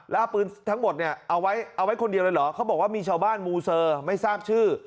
แล้วเอาปืนทั้งหมดเนี่ยเอาไว้เอาไว้คนเดียวเลยเหรอเขาบอกว่ามีชาวบ้านมูเซอร์ไม่ทราบชื่อ